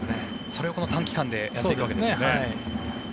それを短期間でやっていくわけですね。